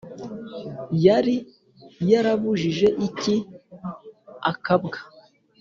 Yari yarabujije iki akabwa?